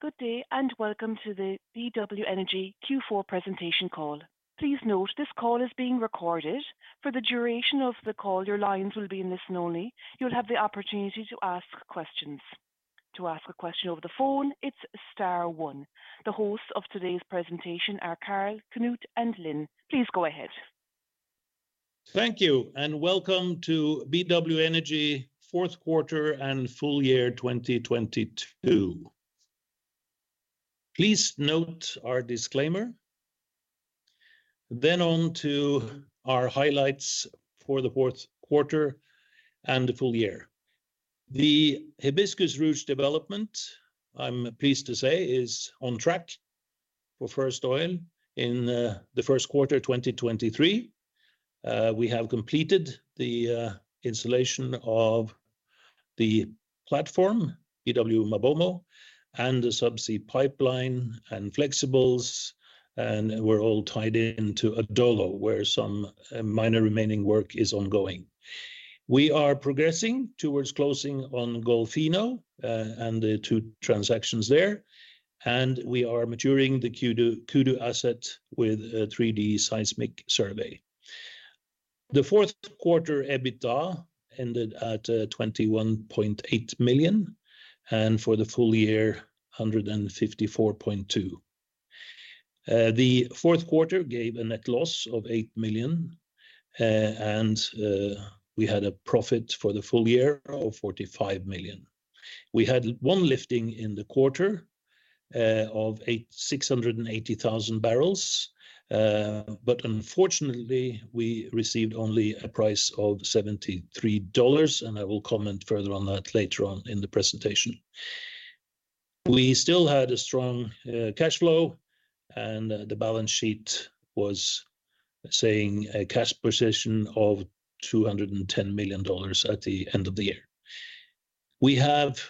Good day. Welcome to the BW Energy Q4 presentation call. Please note this call is being recorded. For the duration of the call, your lines will be in listen only. You'll have the opportunity to ask questions. To ask a question over the phone, it's star one. The hosts of today's presentation are Carl, Knut, and Lin. Please go ahead. Thank you. Welcome to BW Energy Q4 and full year 2022. Please note our disclaimer. On to our highlights for the Q4 and the full year. The Hibiscus/Ruche development, I'm pleased to say, is on track for first oil in the Q1 2023. We have completed the installation of the platform, BW MaBoMo, and the subsea pipeline and flexibles. We're all tied into Adolo, where some minor remaining work is ongoing. We are progressing towards closing on Golfinho and the two transactions there. We are maturing the Kudu asset with a 3D seismic survey. The Q4 EBITDA ended at $21.8 million. For the full year, $154.2 million. The Q4 gave a net loss of $8 million, and we had a profit for the full year of $45 million. We had one lifting in the quarter of 680,000 barrels. Unfortunately, we received only a price of $73, and I will comment further on that later on in the presentation. We still had a strong cash flow, and the balance sheet was saying a cash position of $210 million at the end of the year. We have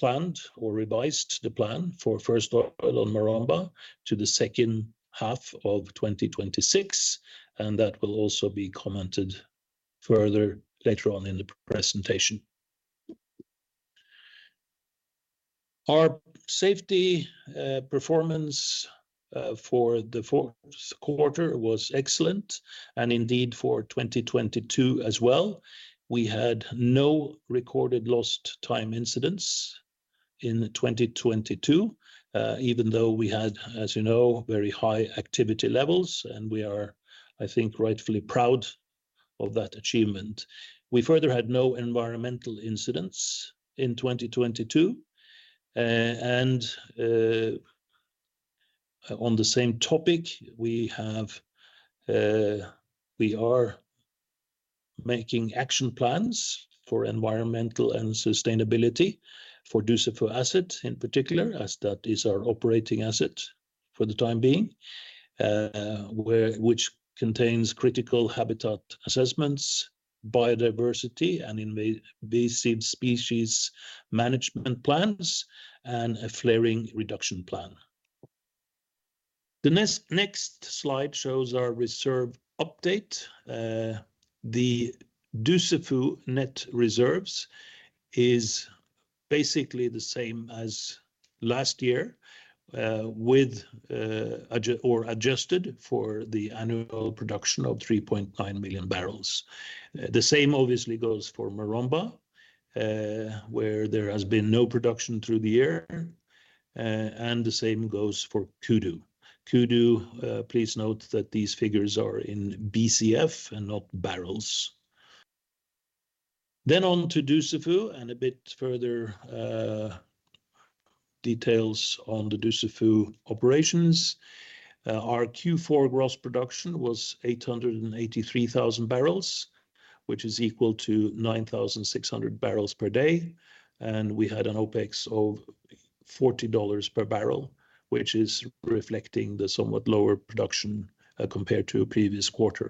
planned or revised the plan for first oil on Maromba to the second half of 2026, and that will also be commented further later on in the presentation. Our safety performance for the Q4 was excellent and indeed for 2022 as well. We had no recorded Lost Time Injuries in 2022, even though we had, as you know, very high activity levels, and we are, I think, rightfully proud of that achievement. We further had no environmental incidents in 2022. On the same topic, we are making action plans for environmental and sustainability for Dussafu asset in particular, as that is our operating asset for the time being, which contains critical habitat assessments, biodiversity, and invasive species management plans, and a flaring reduction plan. The next slide shows our reserve update. The Dussafu net reserves is basically the same as last year, with adjusted for the annual production of 3.9 million barrels. The same obviously goes for Maromba, where there has been no production through the year. The same goes for Kudu. Kudu, please note that these figures are in BCF and not barrels. On to Dussafu and a bit further details on the Dussafu operations. Our Q4 gross production was 883,000 barrels, which is equal to 9,600 barrels per day. We had an OpEx of $40 per barrel, which is reflecting the somewhat lower production compared to a previous quarter.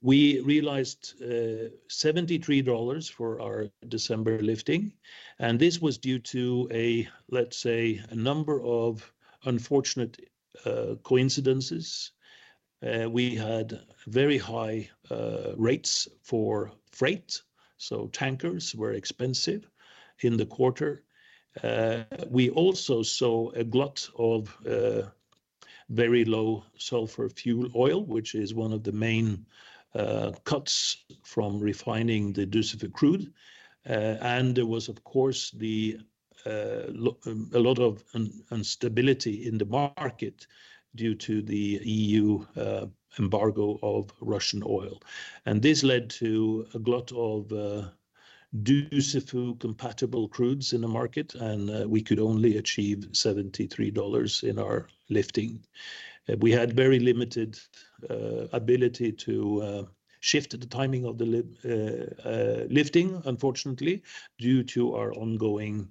We realized $73 for our December lifting. This was due to a, let's say, a number of unfortunate coincidences. We had very high rates for freight. Tankers were expensive in the quarter. We also saw a glut of very low sulfur fuel oil, which is one of the main cuts from refining the Dussafu crude. There was, of course, a lot of instability in the market due to the EU embargo of Russian oil. This led to a glut of Dussafu compatible crudes in the market, we could only achieve $73 in our lifting. We had very limited ability to shift the timing of the lifting unfortunately, due to our ongoing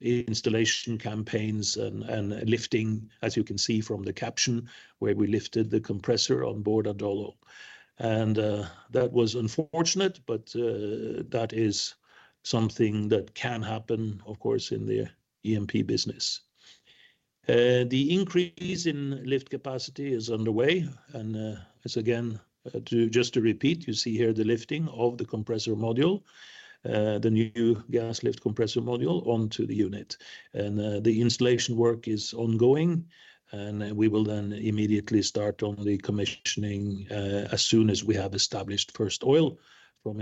installation campaigns and lifting, as you can see from the caption, where we lifted the compressor on board Adolo. That was unfortunate, but that is something that can happen, of course, in the E&P business. The increase in lift capacity is underway. As again, to just to repeat, you see here the lifting of the compressor module, the new Gas Lift Compressor Module onto the unit. The installation work is ongoing, and then we will then immediately start on the commissioning as soon as we have established first oil from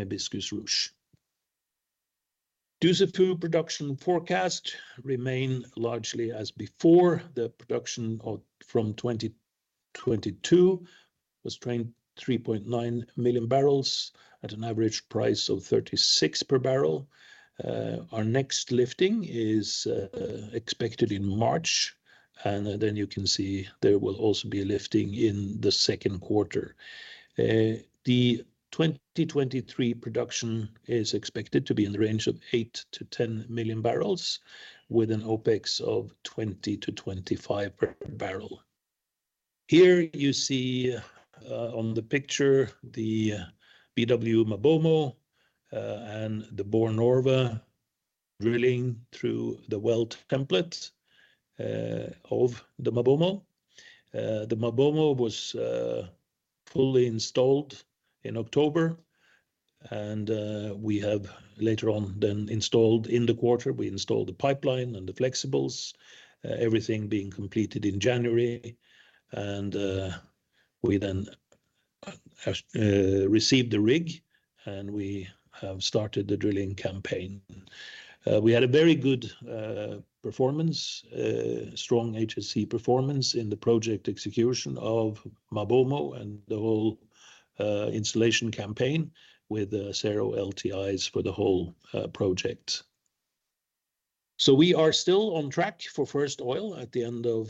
Hibiscus/Ruche. Dussafu production forecast remain largely as before. The production of from 2022 was 23.9 million barrels at an average price of $36 per barrel. Our next lifting is expected in March, and then you can see there will also be lifting in the Q2. The 2023 production is expected to be in the range of 8-10 million barrels with an OpEx of $20-$25 per barrel. Here you see on the picture the BW MaBoMo, and the Borr Norve drilling through the Well Template of the MaBoMo. The BW MaBoMo was fully installed in October, and we have later on then installed in the quarter, we installed the pipeline and the flexibles, everything being completed in January. We then received the rig, and we have started the drilling campaign. We had a very good performance, strong HSE performance in the project execution of MaBoMo and the whole installation campaign with 0 LTIs for the whole project. We are still on track for first oil at the end of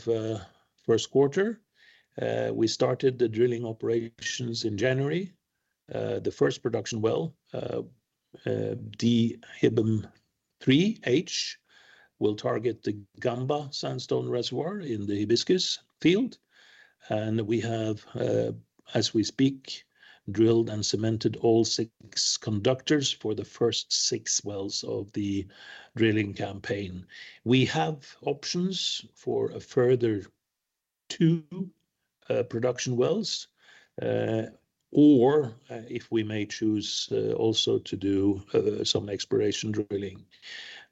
Q1. We started the drilling operations in January. The first production well, DHIBM-3H, will target the Gamba Sandstone Reservoir in the Hibiscus field. We have, as we speak, drilled and cemented all six conductors for the first six wells of the drilling campaign. We have options for a further two production wells, or if we may choose, also to do some exploration drilling.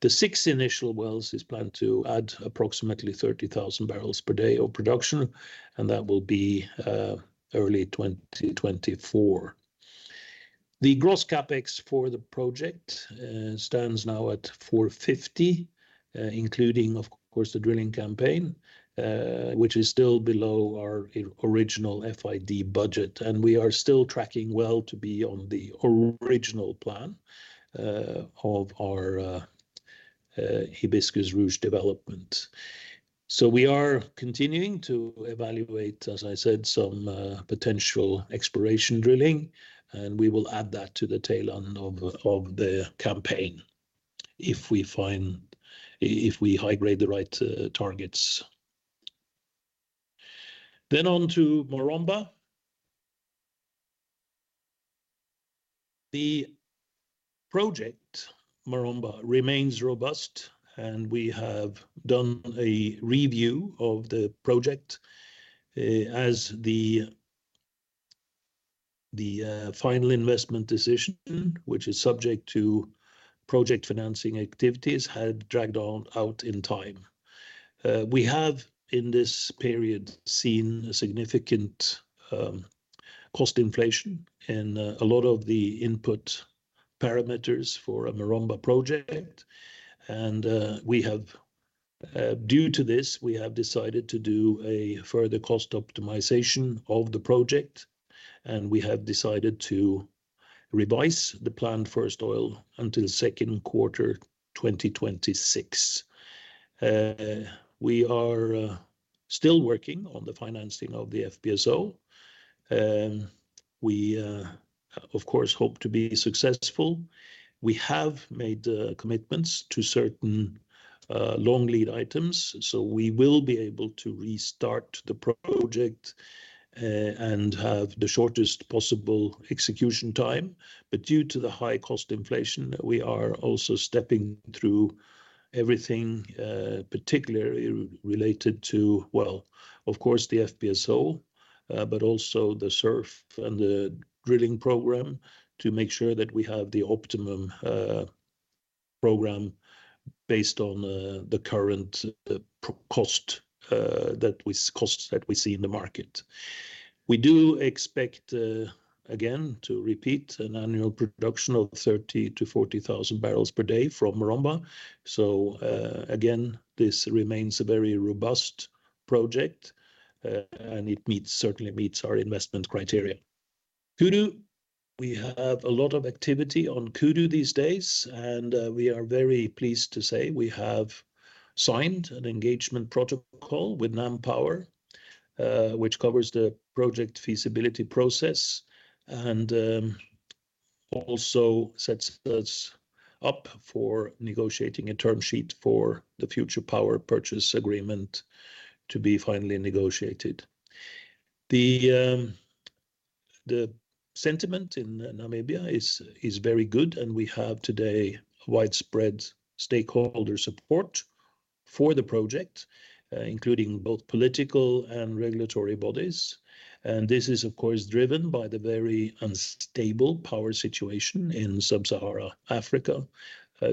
The six initial wells is planned to add approximately 30,000 barrels per day of production, and that will be early 2024. The gross CapEx for the project stands now at $450 million, including of course the drilling campaign, which is still below our original FID budget. We are still tracking well to be on the original plan of our Hibiscus Ruche development. We are continuing to evaluate, as I said, some potential exploration drilling, and we will add that to the tail end of the campaign if we high-grade the right targets. On to Maromba. The project Maromba remains robust, and we have done a review of the project as the final investment decision, which is subject to project financing activities, had dragged on out in time. We have, in this period, seen a significant cost inflation in a lot of the input parameters for a Maromba project. We have, due to this, we have decided to do a further cost optimization of the project, and we have decided to revise the planned first oil until Q2 2026. We are still working on the financing of the FPSO. We, of course, hope to be successful. We have made commitments to certain long lead items, so we will be able to restart the project and have the shortest possible execution time. Due to the high cost inflation, we are also stepping through everything, particularly related to, well, of course, the FPSO, but also the SURF and the drilling program to make sure that we have the optimum program based on the current pro-cost costs that we see in the market. We do expect, again, to repeat an annual production of 30,000-40,000 barrels per day from Maromba. Again, this remains a very robust project, and it meets, certainly meets our investment criteria. Kudu, we have a lot of activity on Kudu these days, and we are very pleased to say we have signed an engagement protocol with NamPower, which covers the project feasibility process and also sets us up for negotiating a term sheet for the future power purchase agreement to be finally negotiated. The sentiment in Namibia is very good, and we have today widespread stakeholder support for the project, including both political and regulatory bodies. This is of course driven by the very unstable power situation in Sub-Sahara Africa,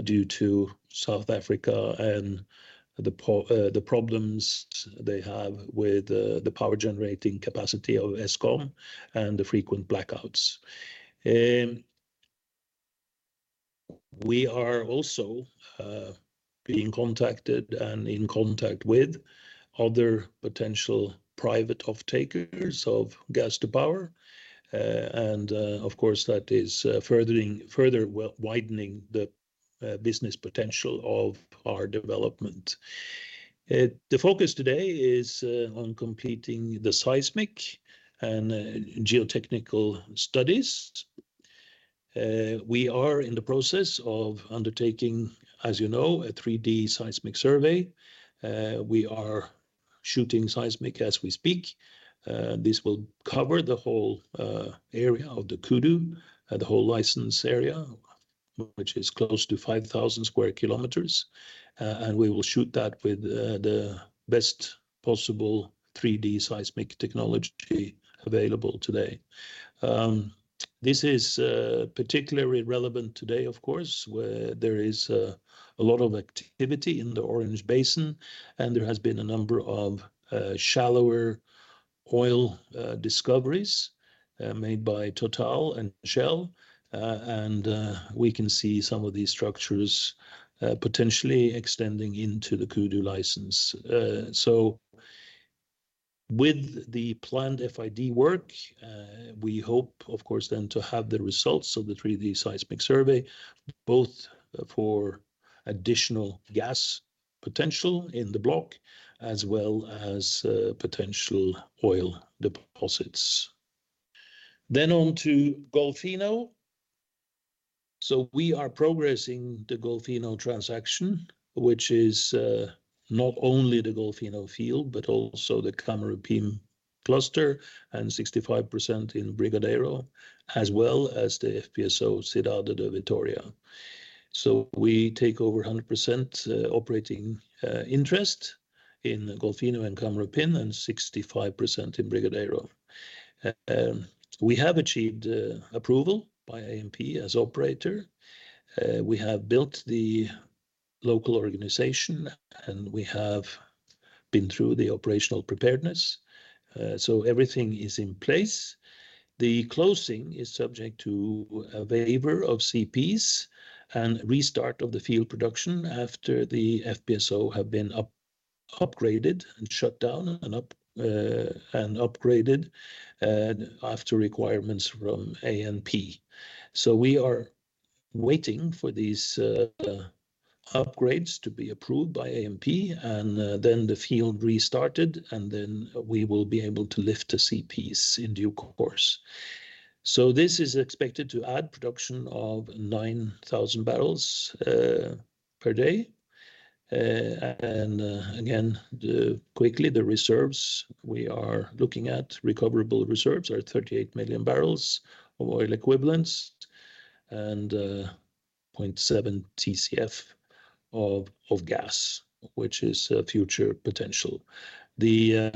due to South Africa and the problems they have with the power generating capacity of Eskom and the frequent blackouts. We are also being contacted and in contact with other potential private off takers of gas to power. Of course, that is widening the business potential of our development. The focus today is on completing the seismic and geotechnical studies. We are in the process of undertaking, as you know, a 3D seismic survey. We are shooting seismic as we speak. This will cover the whole area of the Kudu, the whole license area, which is close to 5,000 square kilometers. We will shoot that with the best possible 3D seismic technology available today. This is particularly relevant today, of course, where there is a lot of activity in the Orange Basin, there has been a number of shallower oil discoveries made by Total and Shell. We can see some of these structures potentially extending into the Kudu license. With the planned FID work, we hope of course to have the results of the 3D seismic survey, both for additional gas potential in the block as well as potential oil deposits. On to Golfinho. We are progressing the Golfinho transaction, which is not only the Golfinho field, but also the Camurim cluster and 65% in Brigadeiro, as well as the FPSO Cidade de Vitoria. We take over 100% operating interest in Golfinho and Camurim and 65% in Brigadeiro. We have achieved approval by ANP as operator. We have built the local organization, we have been through the operational preparedness. Everything is in place. The closing is subject to a waiver of CPs and restart of the field production after the FPSO have been upgraded and shut down and upgraded after requirements from ANP. We are waiting for these upgrades to be approved by ANP and then the field restarted, and then we will be able to lift the CPs in due course. This is expected to add production of 9,000 barrels per day. Again, the quickly, the reserves we are looking at recoverable reserves are 38 million barrels of oil equivalents and 0.7 TCF of gas, which is a future potential. The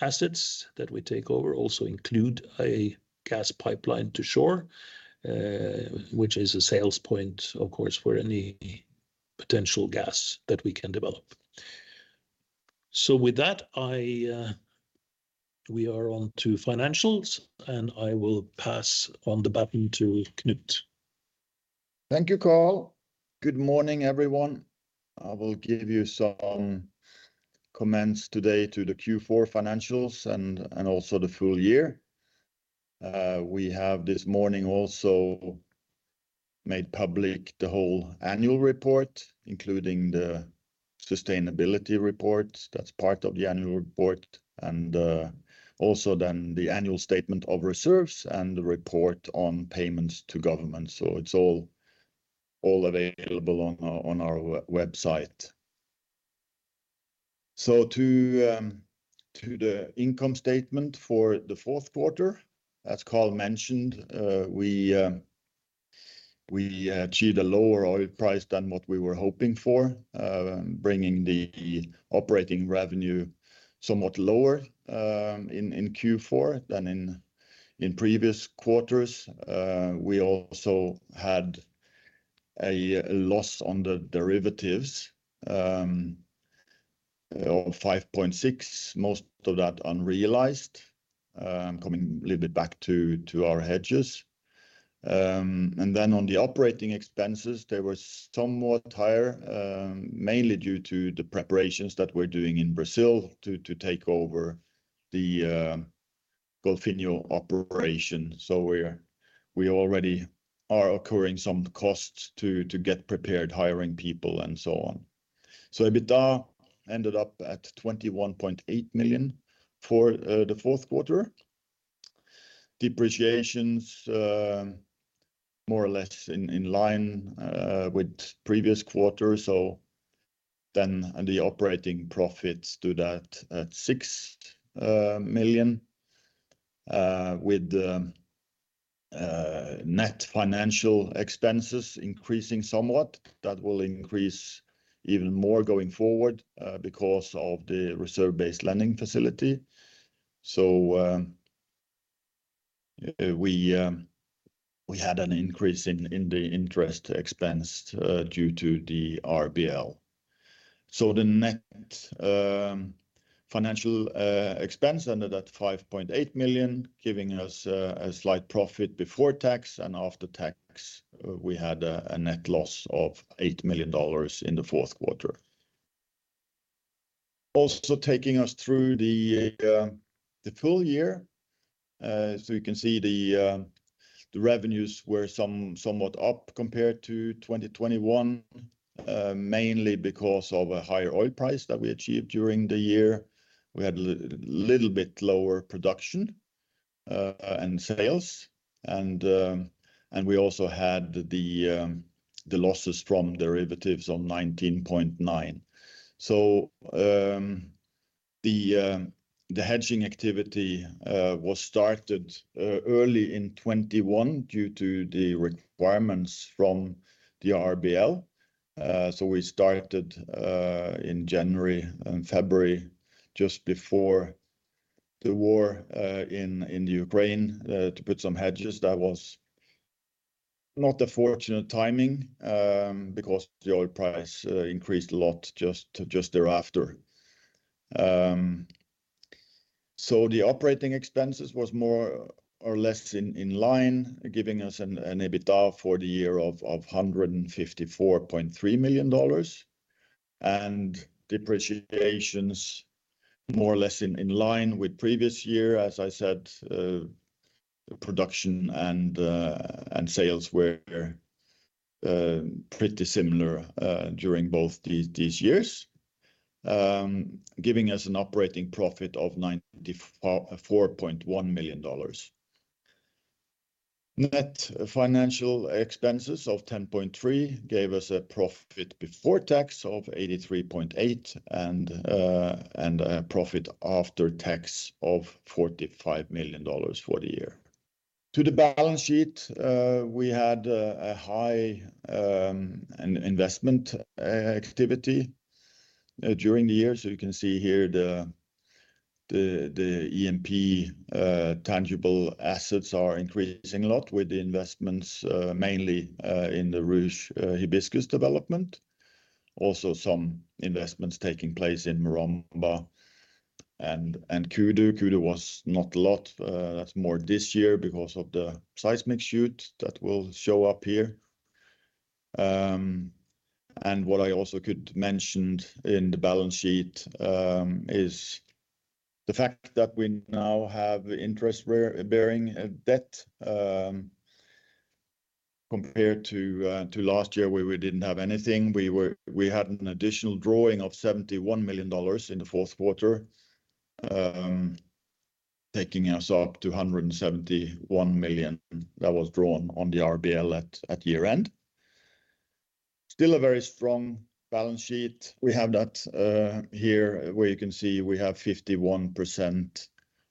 assets that we take over also include a gas pipeline to shore, which is a sales point, of course, for any potential gas that we can develop. With that, I... We are on to financials. I will pass on the baton to Knut. Thank you, Carl. Good morning, everyone. I will give you some comments today to the Q4 financials and also the full year. We have this morning also made public the whole annual report, including the sustainability report. That's part of the annual report. Also then the annual statement of reserves and the report on payments to government. It's all available on our website. To the income statement for the Q4, as Carl mentioned, we achieved a lower oil price than what we were hoping for, bringing the operating revenue somewhat lower in Q4 than in previous quarters. We also had a loss on the derivatives of $5.6 million, most of that unrealized, coming a little bit back to our hedges. On the operating expenses, they were somewhat higher, mainly due to the preparations that we're doing in Brazil to take over the Golfinho operation. We already are occurring some costs to get prepared, hiring people and so on. EBITDA ended up at $21.8 million for the Q4. Depreciations, more or less in line with previous quarters. The operating profits stood at $6 million with the net financial expenses increasing somewhat. That will increase even more going forward because of the Reserve-Based Lending Facility. We had an increase in the interest expense due to the RBL. The net financial expense ended at $5.8 million, giving us a slight profit before tax and after tax, we had a net loss of $8 million in the Q4. Taking us through the full year. You can see the revenues were somewhat up compared to 2021, mainly because of a higher oil price that we achieved during the year. We had a little bit lower production and sales, and we also had the losses from derivatives of 19.9. The hedging activity was started early in 2021 due to the requirements from the RBL. We started in January and February just before the war in Ukraine to put some hedges. That was not a fortunate timing, because the oil price increased a lot just thereafter. The operating expenses was more or less in line, giving us an EBITDA for the year of $154.3 million. Depreciations more or less in line with previous year. As I said, production and sales were pretty similar during both these years, giving us an operating profit of $94.1 million. Net financial expenses of $10.3 gave us a profit before tax of $83.8 and a profit after tax of $45 million for the year. To the balance sheet, we had a high in-investment activity during the year. You can see here the E&P tangible assets are increasing a lot with the investments, mainly in the Ruche Hibiscus development. Also some investments taking place in Maromba and Kudu. Kudu was not a lot. That's more this year because of the seismic shoot that will show up here. What I also could mention in the balance sheet is the fact that we now have interest-bearing debt, compared to last year where we didn't have anything. We had an additional drawing of $71 million in the Q4, taking us up to $171 million that was drawn on the RBL at year-end. Still a very strong balance sheet. We have that here where you can see we have 51%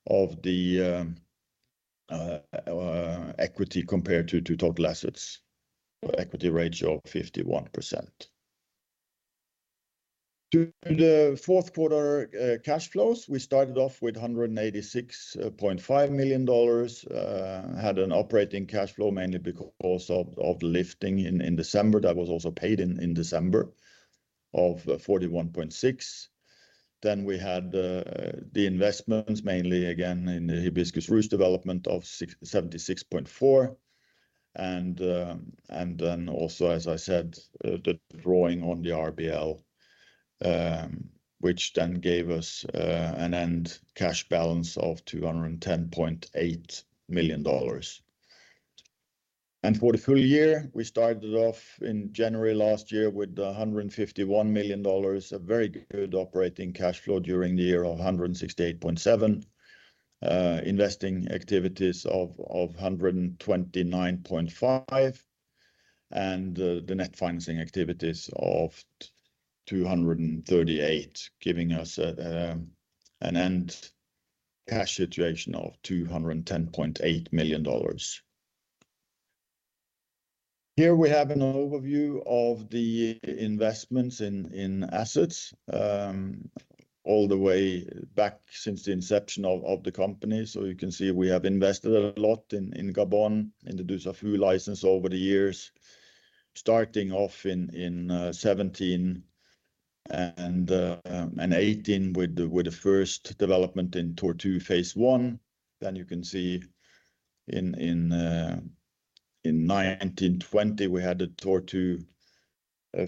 of the equity compared to total assets. Equity ratio of 51%. To the Q4 cash flows, we started off with $186.5 million. Had an operating cash flow mainly because of the lifting in December that was also paid in December of $41.6. We had the investments mainly again in the Hibiscus/Ruche development of $676.4 and also, as I said, the drawing on the RBL, which gave us an end cash balance of $210.8 million. For the full year, we started off in January last year with $151 million, a very good operating cash flow during the year of $168.7 million. Investing activities of $129.5 million, and the net financing activities of $238 million, giving us an end cash situation of $210.8 million. Here we have an overview of the investments in assets, all the way back since the inception of the company. You can see we have invested a lot in Gabon in the Dussafu license over the years, starting off in 2017 and 2018 with the first development in Tortue phase I. You can see in 1920, we had the Tortue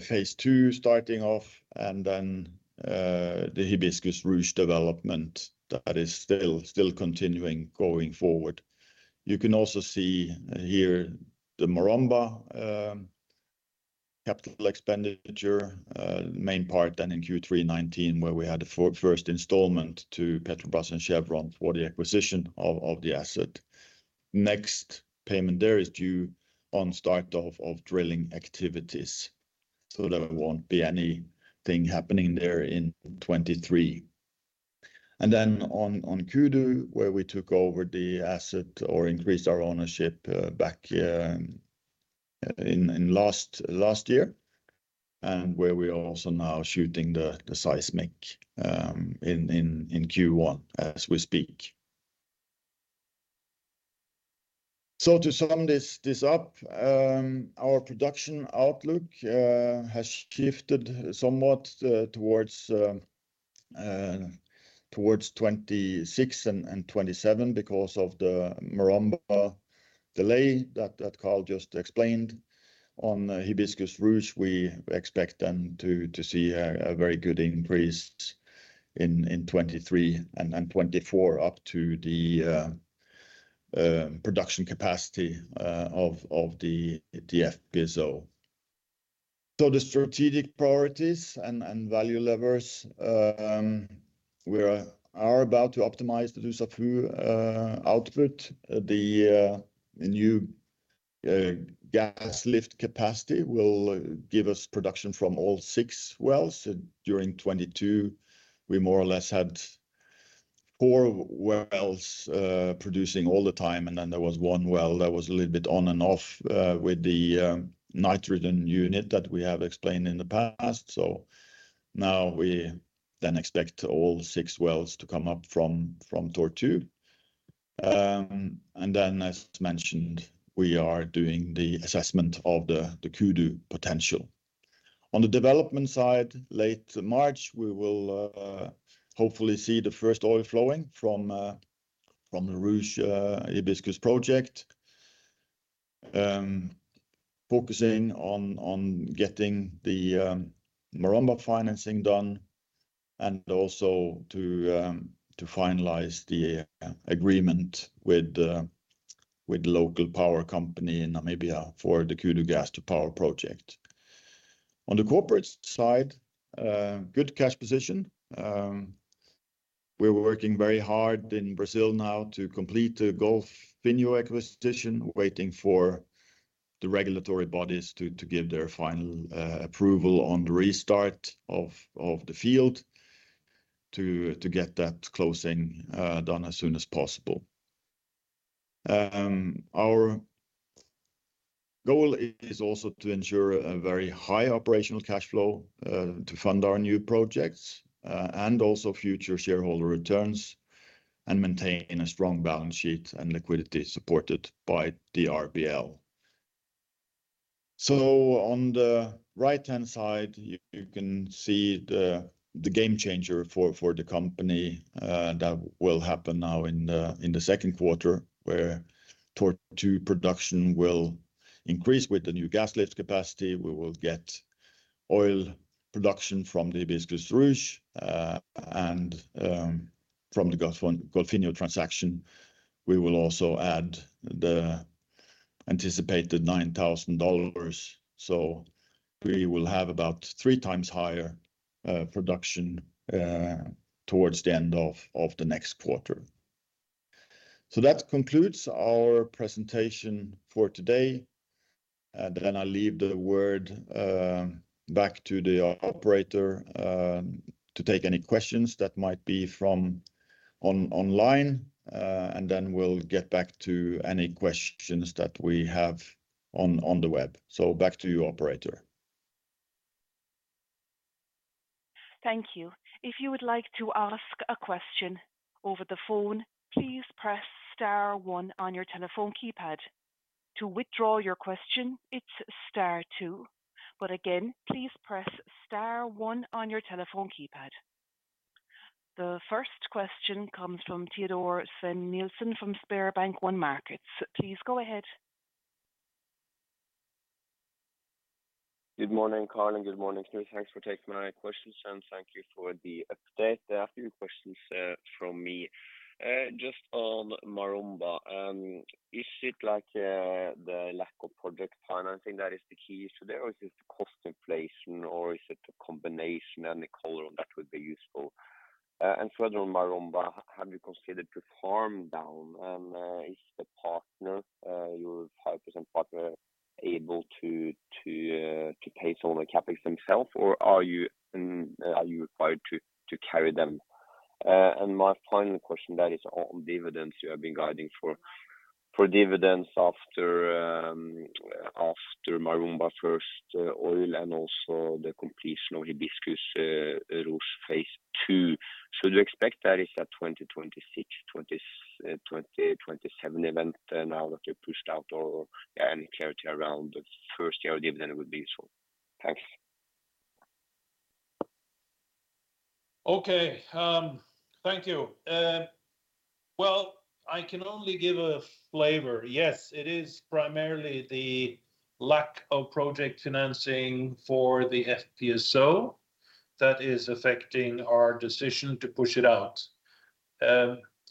phase II starting off and then the Hibiscus Ruche development that is still continuing going forward. You can also see here the Maromba capital expenditure main part then in Q3 2019, where we had the first installment to Petrobras and Chevron for the acquisition of the asset. Next payment there is due on start of drilling activities. There won't be anything happening there in 2023. On Kudu, where we took over the asset or increased our ownership back in last year, and where we are also now shooting the seismic in Q1 as we speak. To sum this up, our production outlook has shifted somewhat towards 2026 and 2027 because of the Maromba delay that Carl just explained. On Hibiscus Ruche we expect then to see a very good increase in 2023 and then 2024 up to the production capacity of the FPSO. The strategic priorities and value levers, we are about to optimize the Dussafu output. The new gas lift capacity will give us production from all six wells. During 2022 we more or less had four wells producing all the time, and then there was one well that was a little bit on and off with the nitrogen unit that we have explained in the past. Now we expect all six wells to come up from Tortue. As mentioned, we are doing the assessment of the Kudu potential. On the development side, late March we will hopefully see the first oil flowing from the Ruche Hibiscus project. Focusing on getting the Maromba financing done and also to finalize the agreement with local power company in Namibia for the Kudu gas to power project. On the corporate side, good cash position. We're working very hard in Brazil now to complete the Golfinho acquisition. Waiting for the regulatory bodies to give their final approval on the restart of the field to get that closing done as soon as possible. Our goal is also to ensure a very high operational cashflow to fund our new projects and also future shareholder returns, and maintain a strong balance sheet and liquidity supported by the RBL. On the right-hand side you can see the game changer for the company that will happen now in the Q2 where Tortue production will increase with the new gas lift capacity. We will get oil production from the Hibiscus Ruche. And from the Golfinho transaction we will also add the anticipated $9,000. We will have about three times higher production towards the end of the next quarter. That concludes our presentation for today. I leave the word, back to the operator, to take any questions that might be from online, and then we'll get back to any questions that we have on the web. Back to you, operator. Thank you. If you would like to ask a question over the phone, please press star one on your telephone keypad. To withdraw your question, it's star two. Again, please press star one on your telephone keypad. The first question comes from Teodor Sveen-Nilsen from SpareBank 1 Markets. Please go ahead. Good morning, Carl, good morning, Stig. Thanks for taking my questions, thank you for the update. There are a few questions from me. Just on Maromba, is it like the lack of project financing that is the key issue there or is this the cost inflation or is it a combination and a color that would be useful? Further on Maromba, have you considered to farm down, is the partner, your 5% partner able to pay some of the CapEx themself or are you required to carry them? My final question that is on dividends. You have been guiding for dividends after Maromba first oil and also the completion of Hibiscus, Ruche phase II. Do you expect that it's a 2026, 2027 event now that you pushed out or any clarity around the first year dividend would be useful? Thanks. Okay. Thank you. Well, I can only give a flavor. Yes, it is primarily the lack of project financing for the FPSO that is affecting our decision to push it out.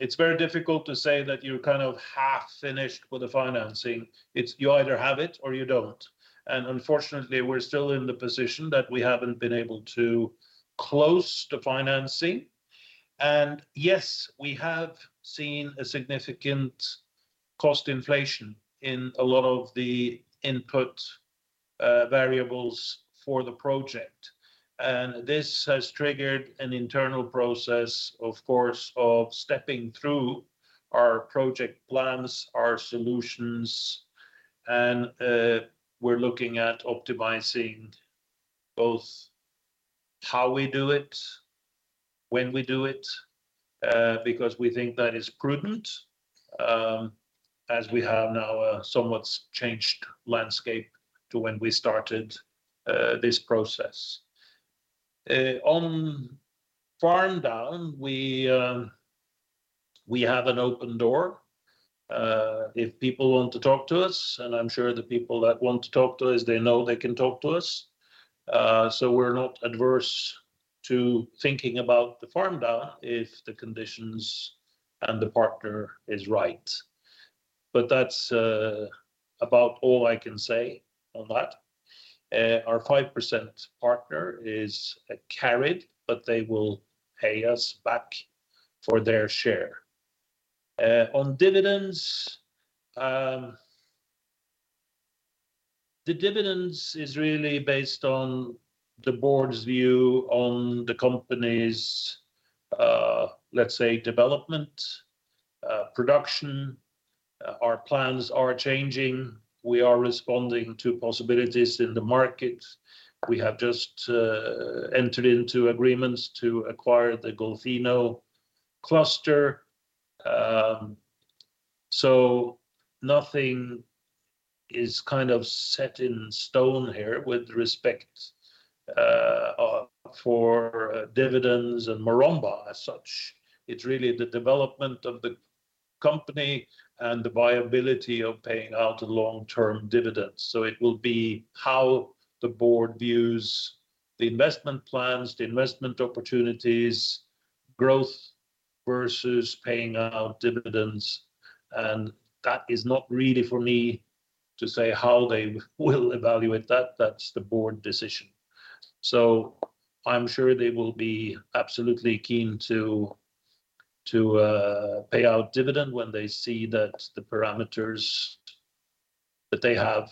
It's very difficult to say that you're kind of half finished with the financing. It's you either have it or you don't. Unfortunately, we're still in the position that we haven't been able to close the financing. Yes, we have seen a significant cost inflation in a lot of the input Variables for the project. This has triggered an internal process, of course, of stepping through our project plans, our solutions, and we're looking at optimizing both how we do it, when we do it, because we think that is prudent, as we have now a somewhat changed landscape to when we started this process. On farm down, we have an open door, if people want to talk to us, and I'm sure the people that want to talk to us, they know they can talk to us. We're not adverse to thinking about the farm down if the conditions and the partner is right. That's about all I can say on that. Our 5% partner is carried, but they will pay us back for their share. On dividends, the dividends is really based on the board's view on the company's, let's say, development, production. Our plans are changing. We are responding to possibilities in the market. We have just entered into agreements to acquire the Golfinho cluster. Nothing is kind of set in stone here with respect for dividends and Maromba as such. It's really the development of the company and the viability of paying out a long-term dividend. It will be how the board views the investment plans, the investment opportunities, growth versus paying out dividends, and that is not really for me to say how they will evaluate that. That's the board decision. I'm sure they will be absolutely keen to pay out dividend when they see that the parameters that they have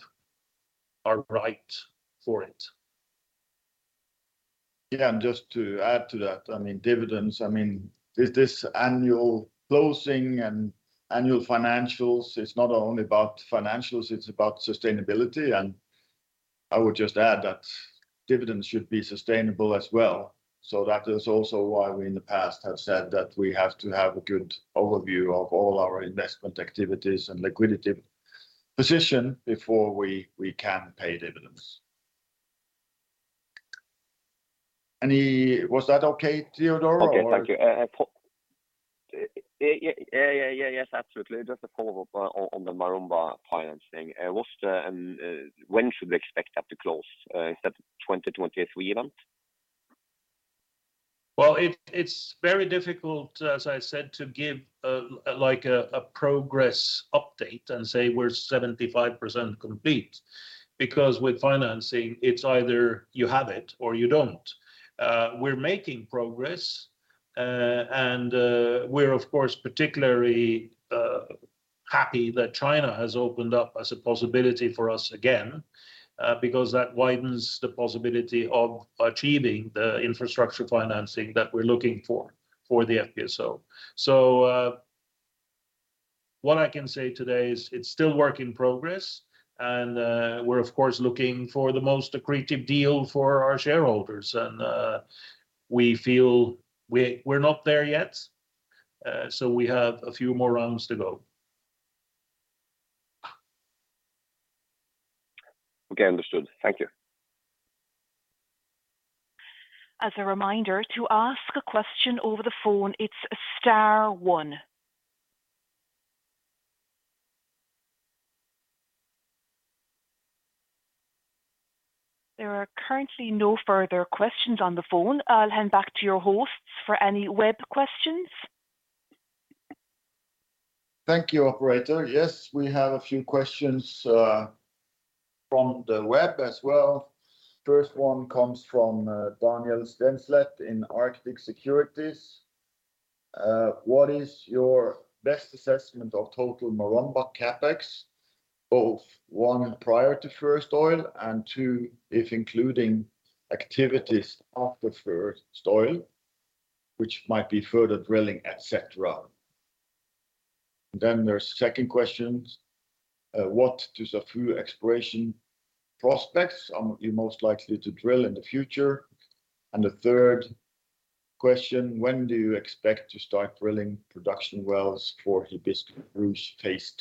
are right for it. Just to add to that, I mean, dividends, I mean, is this annual closing and annual financials, it's not only about financials, it's about sustainability. I would just add that dividends should be sustainable as well. That is also why we in the past have said that we have to have a good overview of all our investment activities and liquidity position before we can pay dividends. Any... Was that okay, Teodor? Or- Okay. Thank you. Yes, absolutely. Just a follow-up on the Maromba financing. When should we expect that to close? Is that 2023 event? It's very difficult, as I said, to give like a progress update and say we're 75% complete because with financing, it's either you have it or you don't. We're making progress, and we're of course particularly happy that China has opened up as a possibility for us again, because that widens the possibility of achieving the infrastructure financing that we're looking for for the FPSO. What I can say today is it's still work in progress, and we're of course looking for the most accretive deal for our shareholders. We feel we're not there yet, so we have a few more rounds to go. Okay. Understood. Thank you. As a reminder, to ask a question over the phone, it's star one. There are currently no further questions on the phone. I'll hand back to your hosts for any web questions. Thank you, operator. Yes, we have a few questions from the web as well. First one comes from Daniel Stenslet in Arctic Securities. What is your best assessment of total Maromba CapEx, both, one, prior to first oil, and two, if including activities after first oil, which might be further drilling, et cetera? There's second question, what [Hufud] exploration prospects are you most likely to drill in the future? The third question, when do you expect to start drilling production wells for Hibiscus / Ruche phase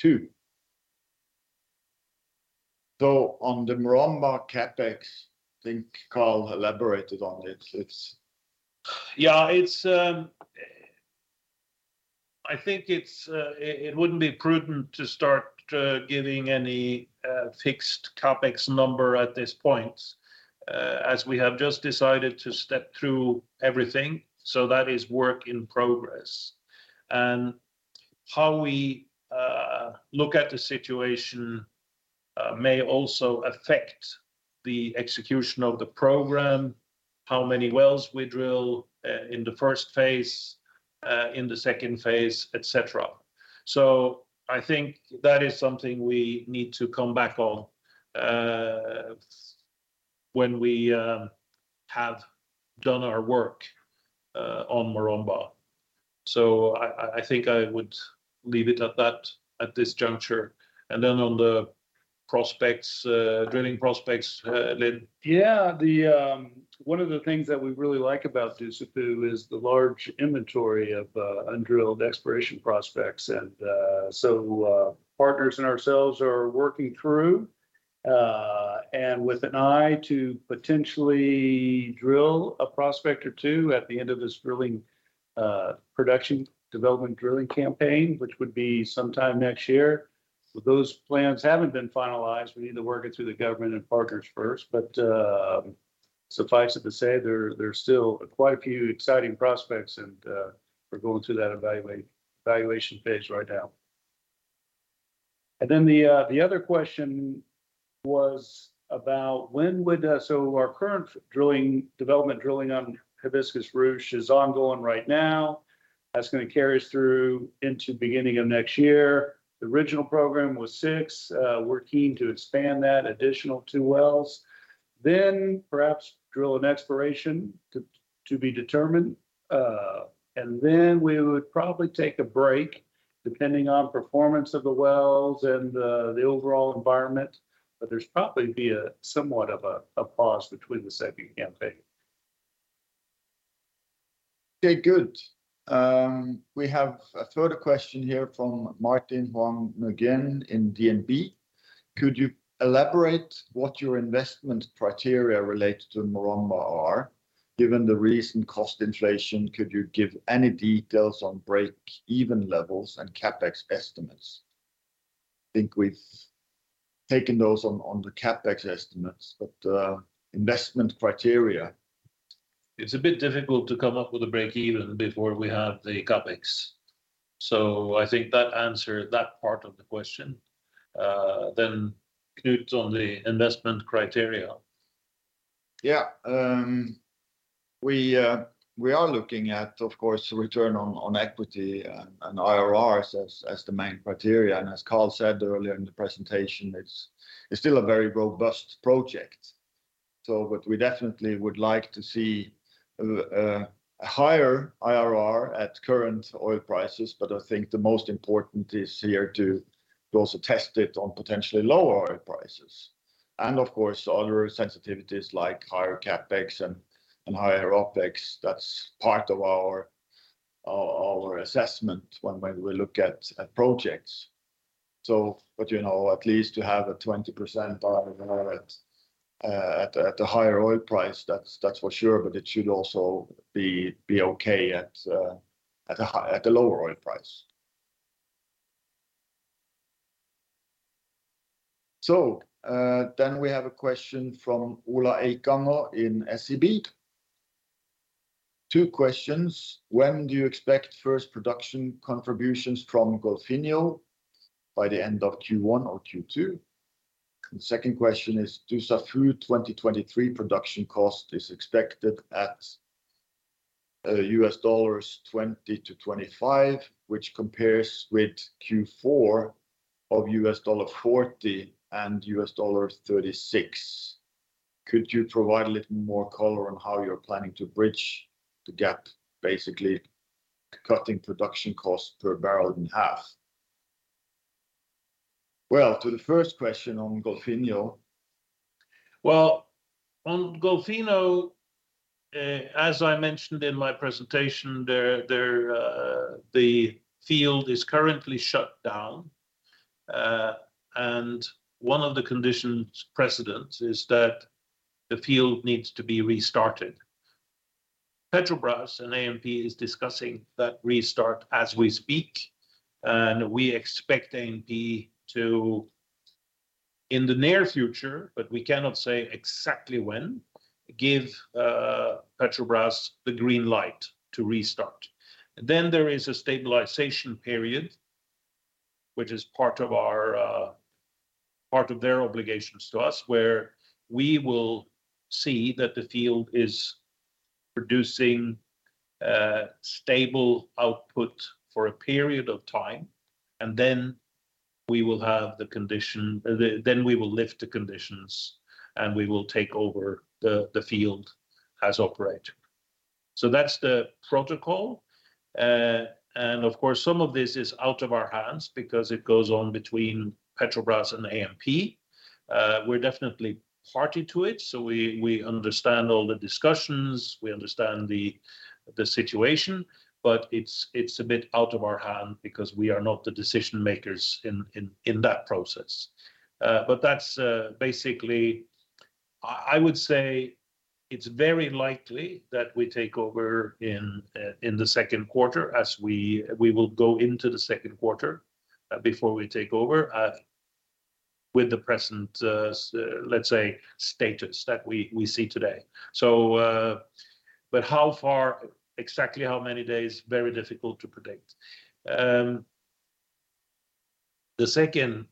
II? On the Maromba CapEx, I think Carl elaborated on it. Yeah. It's I think it wouldn't be prudent to start giving any fixed CapEx number at this point as we have just decided to step through everything, so that is work in progress. How we look at the situation may also affect the execution of the program. How many wells we drill in the phase I in the phase II, et cetera. I think that is something we need to come back on, when we have done our work on Maromba. I, I think I would leave it at that at this juncture. Then on the prospects, drilling prospects, Lin? Yeah. One of the things that we really like about Dussafu is the large inventory of undrilled exploration prospects. Partners and ourselves are working through and with an eye to potentially drill a prospect or two at the end of this drilling production development drilling campaign, which would be some time next year. Those plans haven't been finalized. We need to work it through the government and partners first. Suffice it to say, there are still quite a few exciting prospects, and we're going through that valuation phase right now. The other question was about when would. Our current drilling, development drilling on Hibiscus/Ruche is ongoing right now. That's gonna carry us through into beginning of next year. The original program was six. We're keen to expand that additional two wells. Perhaps drill an exploration to be determined. Then we would probably take a break depending on performance of the wells and the overall environment. There's probably be a somewhat of a pause between the second campaign. Okay. Good. We have a further question here from Martin Huang Nguyen in DNB. Could you elaborate what your investment criteria related to Maromba are? Given the recent cost inflation, could you give any details on break-even levels and CapEx estimates? I think we've taken those on the CapEx estimates, but investment criteria. It's a bit difficult to come up with a break-even before we have the CapEx. I think that answered that part of the question. Knut on the investment criteria. Yeah. We are looking at, of course, return on equity and IRRs as the main criteria. As Carl said earlier in the presentation, it's still a very robust project. What we definitely would like to see a higher IRR at current oil prices, but I think the most important is here to also test it on potentially lower oil prices. Of course, other sensitivities like higher CapEx and higher OpEx, that's part of our assessment when we look at projects. You know, at least to have a 20% IRR at a higher oil price, that's for sure, but it should also be okay at a lower oil price. We have a question from Ola Ekanger in SEB. Two questions. When do you expect first production contributions from Golfinho? By the end of Q1 or Q2? Second question is, Dussafu 2023 production cost is expected at $20-$25, which compares with Q4 of $40 and $36. Could you provide a little more color on how you're planning to bridge the gap, basically cutting production costs per barrel in half? Well, to the first question on Golfinho. Well, on Golfinho, as I mentioned in my presentation, there, the field is currently shut down. One of the Conditions precedents is that the field needs to be restarted. Petrobras and ANP is discussing that restart as we speak, and we expect ANP to, in the near future, but we cannot say exactly when, give Petrobras the green light to restart. There is a stabilization period, which is part of our, part of their obligations to us, where we will see that the field is producing stable output for a period of time, and then we will have the condition. Then we will lift the conditions, and we will take over the field as operator. That's the protocol. Of course, some of this is out of our hands because it goes on between Petrobras and ANP. We're definitely party to it, we understand all the discussions, we understand the situation, it's a bit out of our hand because we are not the decision-makers in that process. That's basically... I would say it's very likely that we take over in the Q2 as we will go into the Q2 before we take over with the present let's say, status that we see today. How far, exactly how many days, very difficult to predict. The second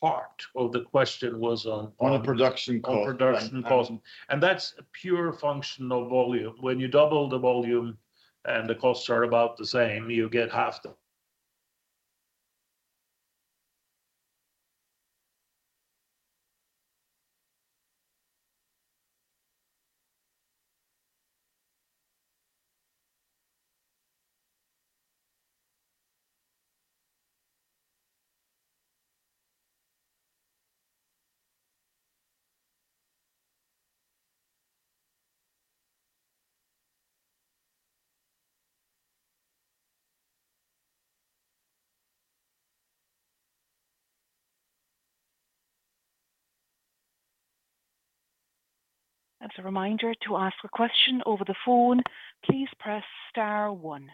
part of the question was on. On the production cost. on production cost. That's a pure function of volume. When you double the volume and the costs are about the same, you get half the- As a reminder, to ask a question over the phone, please press star one.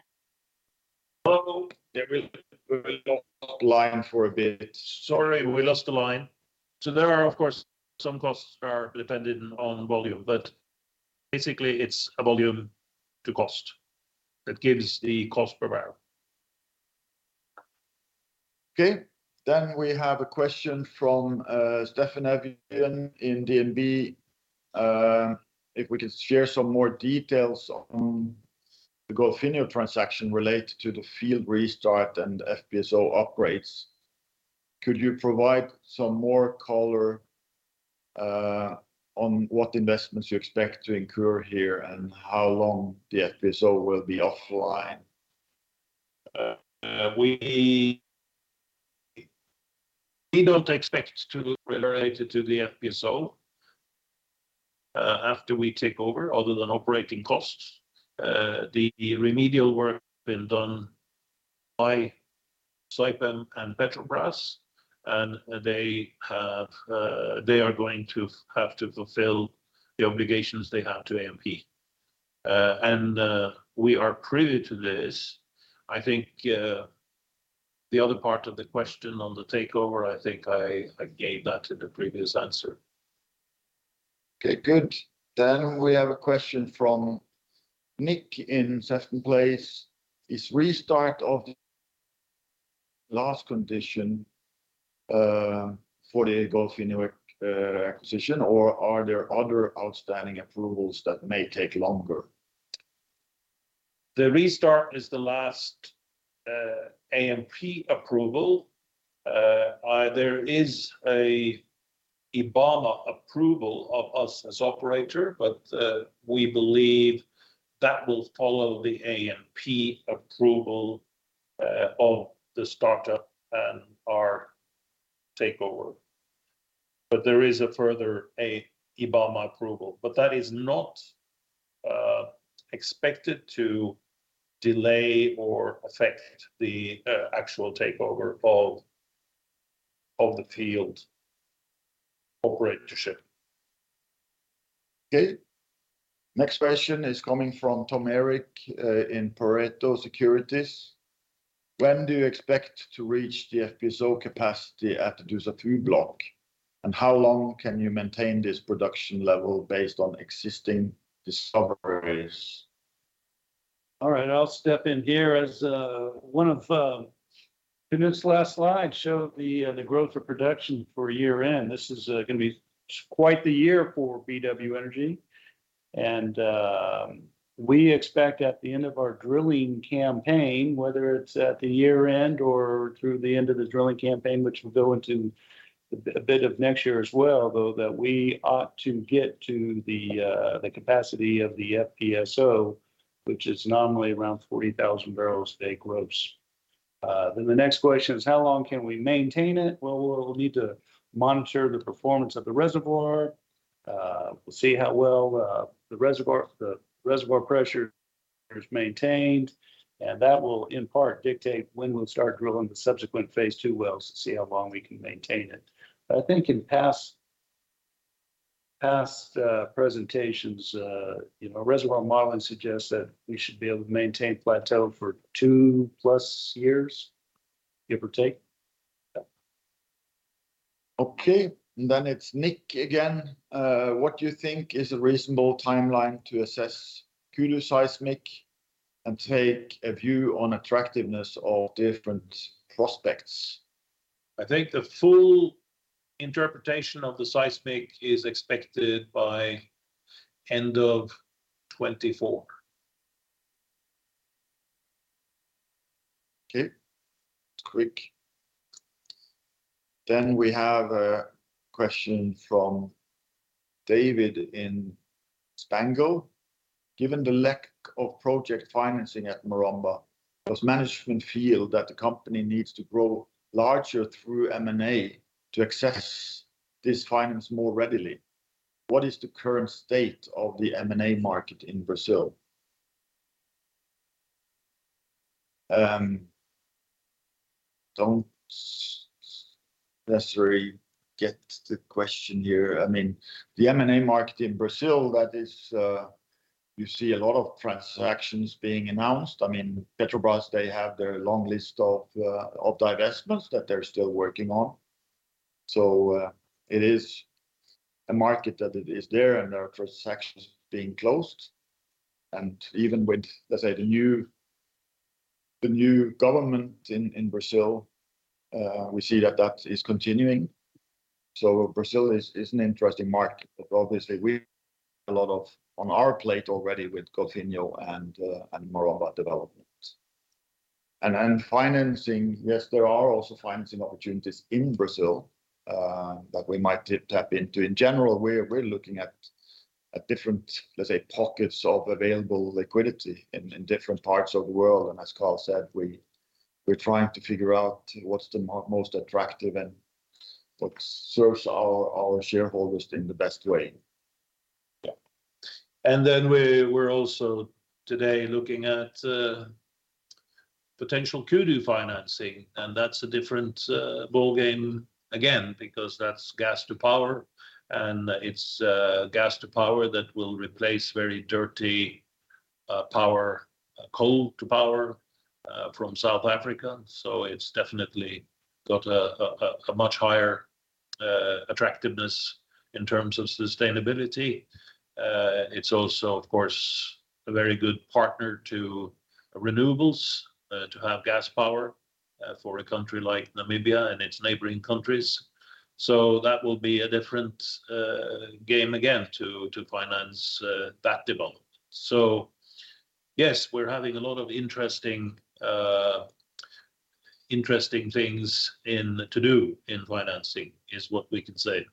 Hello, We went offline for a bit. Sorry, we lost the line. There are of course some costs are dependent on volume, but basically it's a volume to cost that gives the cost per barrel. Okay. We have a question from Steffen Evjen in DNB Markets. If we could share some more details on the Golfinho transaction related to the field restart and FPSO upgrades. Could you provide some more color on what investments you expect to incur here, and how long the FPSO will be offline? We don't expect to... related to the FPSO, after we take over other than operating costs. The remedial work being done by Saipem and Petrobras, and they have, they are going to have to fulfill the obligations they have to ANP. We are privy to this. I think, the other part of the question on the takeover, I think I gave that in the previous answer. Okay, good. We have a question from Nick in Seventh Place. Is restart of the last condition, for the Golfinho acquisition or are there other outstanding approvals that may take longer? The restart is the last, ANP approval. There is a IBAMA approval of us as operator, but we believe that will follow the ANP approval of the startup and our takeover. There is a further, a IBAMA approval, but that is not expected to delay or affect the actual takeover of the field operatorship. Okay. Next question is coming from Tom Erik, in Pareto Securities. When do you expect to reach the FPSO capacity at there's a three block? How long can you maintain this production level based on existing discoveries? All right, I'll step in here as one of. In this last slide showed the growth of production for year end. This is gonna be quite the year for BW Energy. We expect at the end of our drilling campaign, whether it's at the year end or through the end of the drilling campaign which will go into the, a bit of next year as well, though, that we ought to get to the capacity of the FPSO which is nominally around 40,000 barrels a day gross. The next question is how long can we maintain it? Well, we'll need to monitor the performance of the reservoir. We'll see how well the reservoir pressure is maintained, and that will in part dictate when we'll start drilling the subsequent phase II wells to see how long we can maintain it. I think in past presentations, you know, reservoir modeling suggests that we should be able to maintain plateau for 2+ years, give or take. Yeah. Okay. It's Nick again. What do you think is a reasonable timeline to assess Kudu seismic and take a view on attractiveness of different prospects? I think the full interpretation of the seismic is expected by end of 2024. Okay. Quick. We have a question from David in Spango. Given the lack of project financing at Maromba, does management feel that the company needs to grow larger through M&A to access this finance more readily? What is the current state of the M&A market in Brazil? Don't necessarily get the question here. I mean, the M&A market in Brazil, that is, you see a lot of transactions being announced. I mean, Petrobras, they have their long list of divestments that they're still working on. It is a market that it is there and there are transactions being closed. Even with, let's say, the new government in Brazil, we see that that is continuing. Brazil is an interesting market, but obviously we have a lot on our plate already with Golfinho and Maromba developments. Financing, yes, there are also financing opportunities in Brazil that we might tap into. In general, we're looking at different, let's say, pockets of available liquidity in different parts of the world. As Carl said, we're trying to figure out what's the most attractive and what serves our shareholders in the best way. Yeah. We're also today looking at potential Kudu financing, and that's a different ballgame again because that's gas to power and it's gas to power that will replace very dirty power, coal to power, from South Africa. It's definitely got a much higher attractiveness in terms of sustainability. It's also, of course, a very good partner to renewables, to have gas power for a country like Namibia and its neighboring countries. That will be a different game again to finance that development. Yes, we're having a lot of interesting things in to do in financing is what we can say.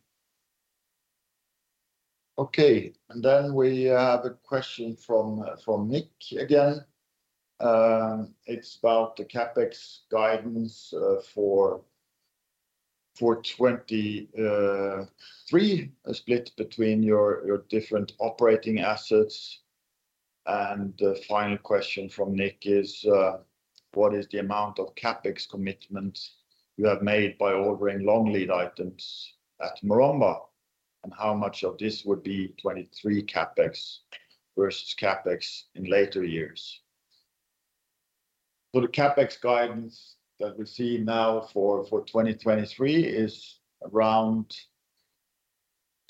Okay. We have a question from Nick again. It's about the CapEx guidance for 2023, a split between your different operating assets. The final question from Nick is, what is the amount of CapEx commitment you have made by ordering long lead items at Maromba, and how much of this would be 2023 CapEx versus CapEx in later years? The CapEx guidance that we see now for 2023 is around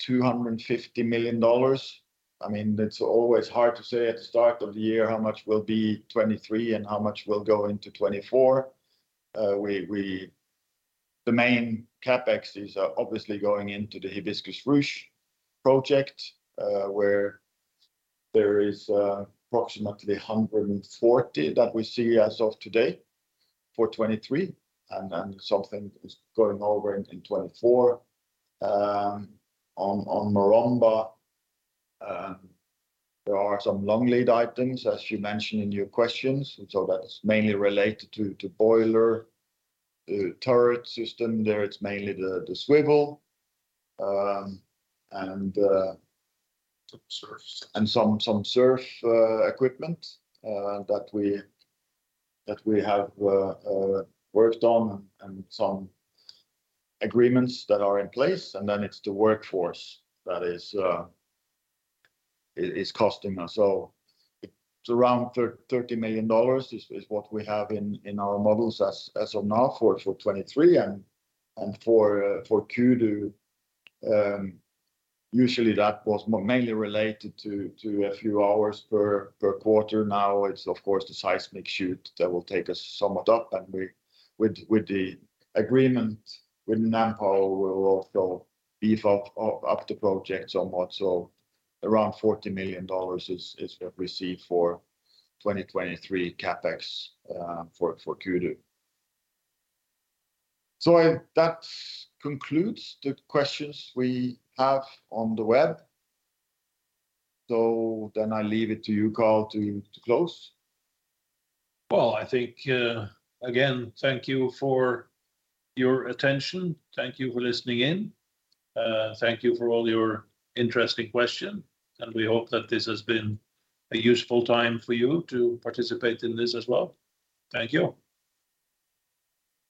$250 million. I mean, it's always hard to say at the start of the year how much will be 2023 and how much will go into 2024. The main CapEx is obviously going into the Hibiscus/Ruche project, where there is approximately $140 million that we see as of today for 2023 and something is going over in 2024. On Maromba, there are some long lead items as you mentioned in your questions. That's mainly related to boiler, turret system there. It's mainly the swivel. Some SURF.... and some SURF equipment that we have worked on and some agreements that are in place. It's the workforce that is costing us. It's around $30 million is what we have in our models as of now for 2023. For Kudu, usually that was mainly related to a few hours per quarter. Now it's of course the seismic shoot that will take us somewhat up, we, with the agreement with NamPower, we will also beef up the project somewhat. Around $40 million is received for 2023 CapEx for Kudu. That concludes the questions we have on the web. I leave it to you, Carl, to close. Well, I think, again, thank you for your attention. Thank you for listening in. Thank you for all your interesting question, and we hope that this has been a useful time for you to participate in this as well. Thank you.